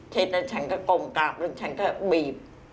เสร็จแล้วฉันก็ก้มกราบแล้วฉันก็บีบ